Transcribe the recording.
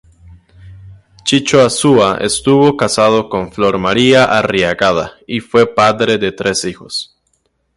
Chicho Azúa estuvo casado con Flor María Arriagada y fue padre de tres hijos.